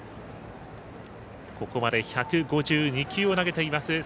ここまで１５２球を投げています